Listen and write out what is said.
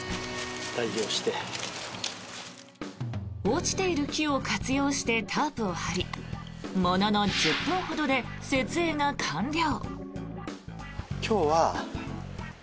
落ちている木を活用してタープを張りものの１０分ほどで設営が完了。